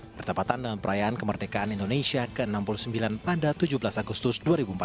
bertepatan dengan perayaan kemerdekaan indonesia ke enam puluh sembilan pada tujuh belas agustus dua ribu empat belas